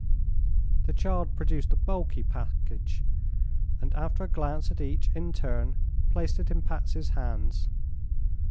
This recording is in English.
The child produced a bulky package, and after a glance at each, in turn, placed it in Patsy's hands.